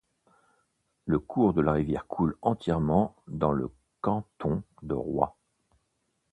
Le cours de la rivière coule entièrement dans le canton de Roy.